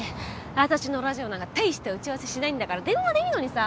私のラジオなんか大した打ち合わせしないんだから電話でいいのにさ。